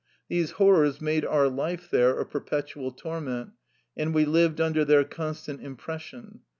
These horrors made our life there a perpetual torment, and we lived under their constant im pression.